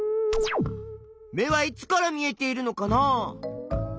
目はいつから見えているのかな？